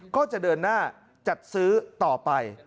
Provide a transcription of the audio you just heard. ก็จะเดินหน้าจัดซื้อต่อไป